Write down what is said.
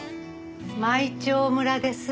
舞澄村です。